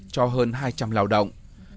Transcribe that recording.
cho hơn hai trăm linh lao động